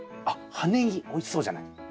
あっ葉ネギおいしそうじゃない。